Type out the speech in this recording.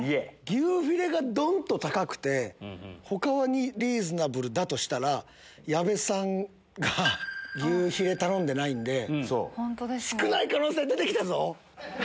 牛フィレがドン！と高くて他はリーズナブルだとしたら矢部さんが牛フィレ頼んでないんで少ない可能性出て来たぞ！